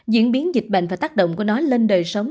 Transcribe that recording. diễn biến dịch bệnh và tác động của nó lên đời sống